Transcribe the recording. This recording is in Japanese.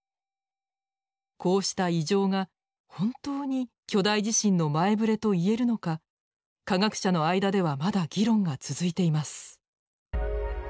こうした異常が本当に巨大地震の前ぶれと言えるのか科学者の間ではまだ議論が続いています。